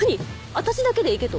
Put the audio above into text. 私だけで行けと？